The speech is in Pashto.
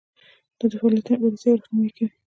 دا د فعالیتونو بررسي او رهنمایي کوي.